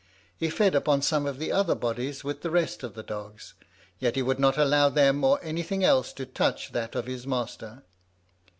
He fed upon some of the other bodies with the rest of the dogs, yet he would not allow them or anything else to touch that of his master.